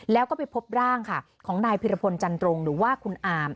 แล้วก็ไปพบร่างค่ะของนายพิรพลจันตรงหรือว่าคุณอาม